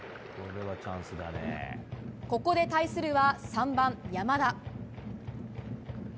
ここで対するは３番、山田。